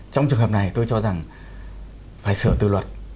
trong trường hợp này tôi cho rằng phải sửa từ luật